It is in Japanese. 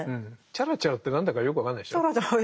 「ちゃらちゃら」って何だかよく分かんないでしょう？